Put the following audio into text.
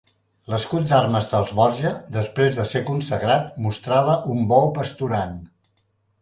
L'escut d'armes dels Borja, després de ser consagrat, mostrava un bou pasturant.